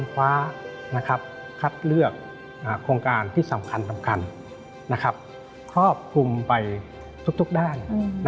คว้าคัดเลือกโครงการที่สำคัญครอบคลุมไปทุกด้าน